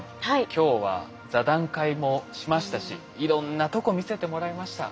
今日は座談会もしましたしいろんなとこ見せてもらいました。